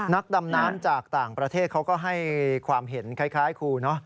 นักดำน้ำจากต่างประเทศเขาก็ให้ความเห็นคล้ายครูเนอะ